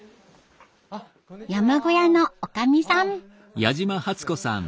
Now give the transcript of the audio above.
山小屋のおかみさん。